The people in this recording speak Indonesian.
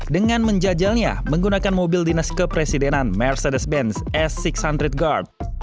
dengan menjajalnya menggunakan mobil dinas kepresidenan mercedes benz s enam ratus guard